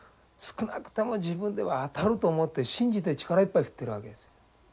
少なくとも自分では当たると思って信じて力いっぱい振ってるわけですよ。